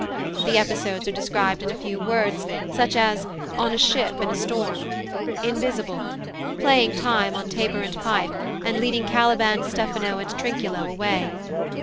The episodes are described in a few words, such as "On a ship in a storm," "Invisible," "Playing time on tabor and pipe and leading Caliban, Stephano, and Trinculo away."